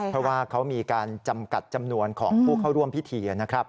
เพราะว่าเขามีการจำกัดจำนวนของผู้เข้าร่วมพิธีนะครับ